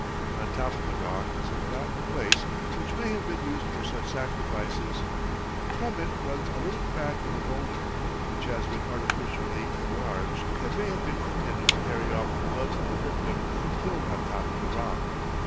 On top of the rock is a flattened place which may have been used for such sacrifices. From it runs a little crack in the boulder, which has been artificially enlarged and may have been intended to carry off the blood of the victim killed on top of the rock.